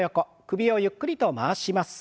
首をゆっくりと回します。